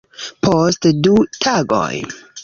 Post du tagoj